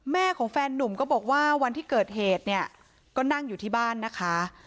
แม่ของแฟนนุ่มก็บอกว่าวันที่เกิดเหตุเนี่ยก็นั่งอยู่ที่บ้านนะคะ